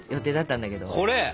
これ？